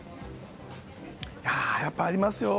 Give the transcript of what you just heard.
やっぱりありますよ。